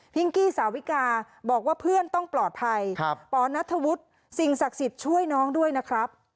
กี้สาวิกาบอกว่าเพื่อนต้องปลอดภัยปนัทธวุฒิสิ่งศักดิ์สิทธิ์ช่วยน้องด้วยนะครับ